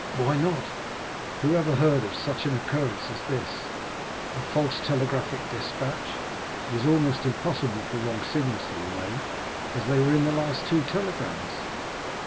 "Why not? Who ever heard of such an occurrence as this?—a false telegraphic despatch—it is almost impossible for wrong signals to be made as they were in the last two telegrams.